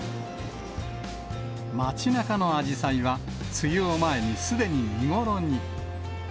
街なかのあじさいは、梅雨を前にすでに見頃に。